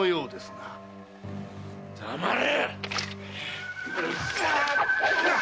黙れ！